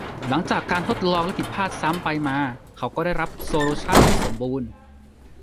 หลังจากการทดลองและผิดพลาดซ้ำไปมา เขาก็ได้รับโซลูชั่นที่สมบูรณ์